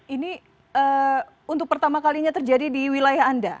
ini untuk pertama kalinya terjadi di wilayah anda